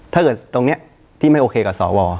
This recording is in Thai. ถ้าเกิดตรงเนี่ยที่ไม่โอเคกับสอว